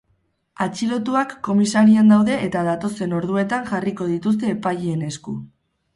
Atxilotuak komisarian daude eta datozen orduetan jarriko dituzte epaileen esku.